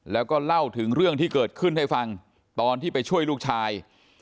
แล้วก็เล่าถึงเรื่องที่เกิดขึ้นให้ฟังตอนที่ไปช่วยลูกชาย